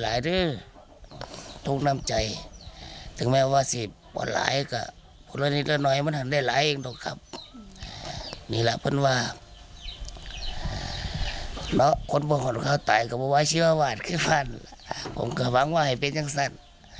แล้วคนบ่งของเขาตายก็บวายชีววาวาสขึ้นบ้านผมกระบังว่าให้เป็นอย่างสัด